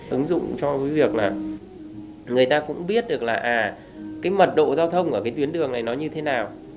ứng dụng cho cái việc là người ta cũng biết được là cái mật độ giao thông ở cái tuyến đường này nó như thế nào